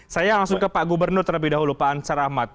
saya langsung ke pak gubernur terlebih dahulu pak ansar ahmad